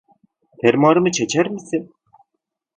Fermuarımı çeker misin?